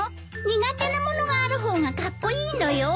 苦手なものがある方がカッコイイのよ。